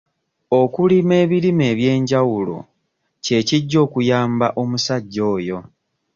Okulima ebirime eby'enjawulo kye kijja okuyamba omusajja oyo.